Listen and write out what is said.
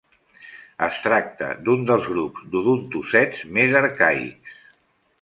Es tracta d'un dels grups d'odontocets més arcaics.